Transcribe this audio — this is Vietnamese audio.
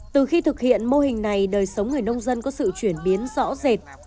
từ khi thực hiện mô hình này đời sống người nông dân có sự chuyển biến rõ rệt